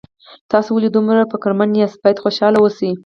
تاسو ولې دومره فکرمن یاست باید خوشحاله اوسئ